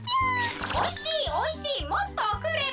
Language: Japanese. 「おいしいおいしいもっとおくれ！」。